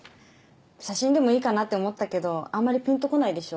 写真でもいいかなって思ったけどあんまりピンとこないでしょ？